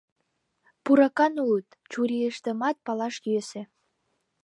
Пуракан улыт, чурийыштымат палаш йӧсӧ.